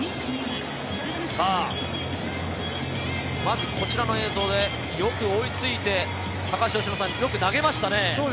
まずこちらの映像でよく追いついて、よく投げましたね。